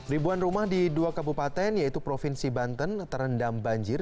ribuan rumah di dua kabupaten yaitu provinsi banten terendam banjir